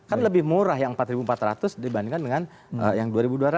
kan lebih murah yang rp empat empat ratus dibandingkan dengan yang dua dua ratus